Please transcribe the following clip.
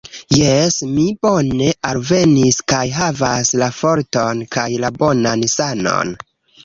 Jes, mi bone alvenis, kaj havas la forton kaj la bonan sanon